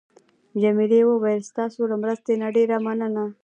جميلې وويل: ستاسو له مرستې نه ډېره مننه.